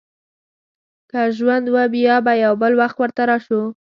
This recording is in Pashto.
که ژوند و، بیا به یو بل وخت ورته راشو.